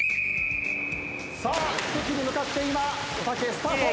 さあ奇跡に向かって今おたけスタート。